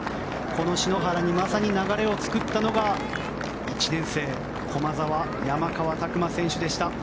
この篠原にまさに、流れを作ったのが１年生、駒澤の山川拓馬選手でした。